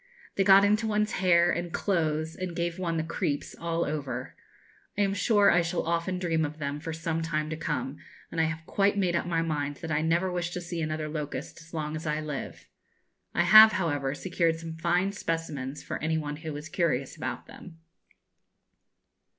They got into one's hair and clothes, and gave one the creeps all over. I am sure I shall often dream of them for some time to come, and I have quite made up my mind that I never wish to see another locust as long as I live. I have, however, secured some fine specimens for any one who is curious about them.